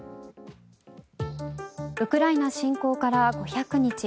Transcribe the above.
ウクライナ侵攻から５００日。